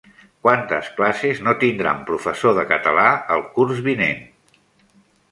Quantes classes no tindran professor de català el curs vinent?